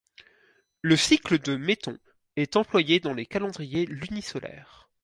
Le cycle de Méton est employé dans les calendriers luni-solaires.